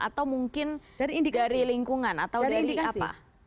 atau mungkin dari lingkungan atau dinding apa